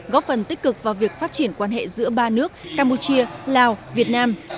góp phần tích cực vào việc phát triển quan hệ giữa ba nước campuchia lào việt nam